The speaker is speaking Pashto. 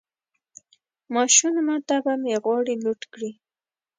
ماشومه طبعه مې غواړي لوټ کړي